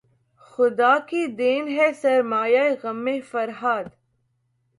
خدا کی دین ہے سرمایۂ غم فرہاد